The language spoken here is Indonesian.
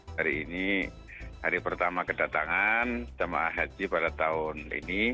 hari ini hari pertama kedatangan jemaah haji pada tahun ini